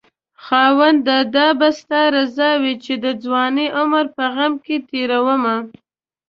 خاونده دا به ستا رضاوي چې دځوانۍ عمر په غم کې تيرومه